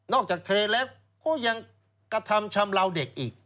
จากเทแล้วก็ยังกระทำชำลาวเด็กอีก